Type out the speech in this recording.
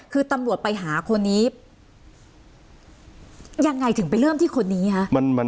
คือตำรวจไปหาคนนี้ยังไงถึงไปเริ่มที่คนนี้คะ